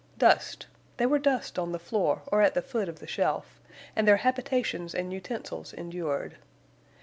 Dust! They were dust on the floor or at the foot of the shelf, and their habitations and utensils endured.